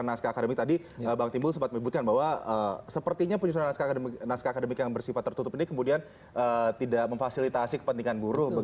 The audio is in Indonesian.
naskah akademik tadi bang timbul sempat menyebutkan bahwa sepertinya penyusunan naskah akademik yang bersifat tertutup ini kemudian tidak memfasilitasi kepentingan buruh